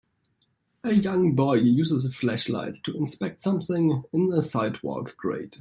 A young boy uses a flashlight to inspect something in a sidewalk grate.